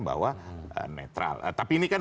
bahwa netral tapi ini kan